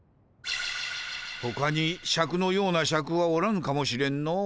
ほかにシャクのようなシャクはおらぬかもしれんの。